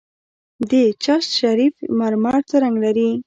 د چشت شریف مرمر څه رنګ لري؟